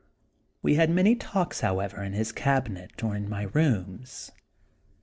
We had many talks, however, in his cabinet or in my rooms.